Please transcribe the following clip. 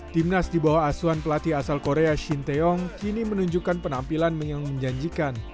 timnas di bawah asuhan pelatih asal korea shin taeyong kini menunjukkan penampilan yang menjanjikan